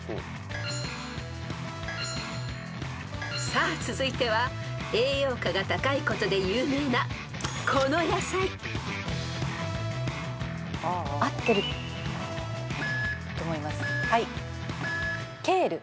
［さあ続いては栄養価が高いことで有名なこの野菜］合ってると思います。